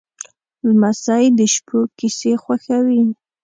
لمسی د شپو کیسې خوښوي.